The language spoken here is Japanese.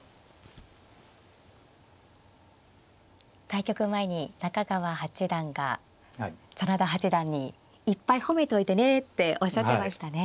対局前に中川八段が真田八段にいっぱい褒めといてねっておっしゃってましたね。